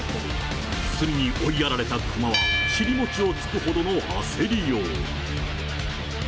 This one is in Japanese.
隅に追いやられたクマは、尻もちをつくほどの焦りよう。